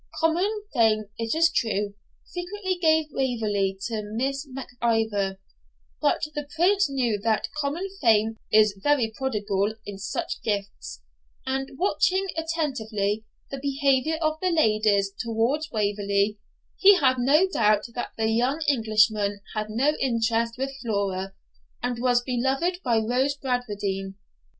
Common fame, it is true, frequently gave Waverley to Miss Mac Ivor; but the Prince knew that common fame is very prodigal in such gifts; and, watching attentively the behaviour of the ladies towards Waverley, he had no doubt that the young Englishman had no interest with Flora, and was beloved by Rose Bradwardine.